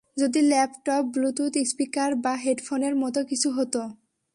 যদি laptop, bluetooth speaker, বা হেডফোনের মতো কিছু হতো?